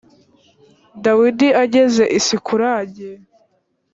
dawidi ageze i sikulagi